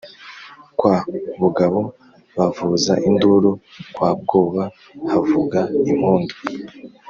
Kwa Bugabo bavuza induru, kwa Bwoba havuga impundu.